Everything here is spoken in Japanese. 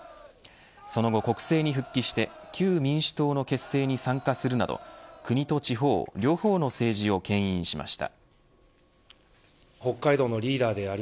その後、国政に復帰して旧民主党の結成に参加するなど国と地方両方の政治をけん引しました。